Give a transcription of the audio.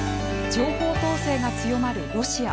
情報統制が強まるロシア。